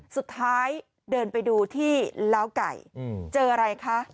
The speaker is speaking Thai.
สุดท้ายเดินไปดูที่ล้าวไก่เจออะไรคะ